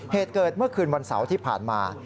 เหตุเกิดเมื่อคืนวันเสาร์ที่ผ่านมา